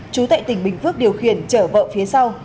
chú tại tỉnh bình phước điều khiển chở vợ phía sau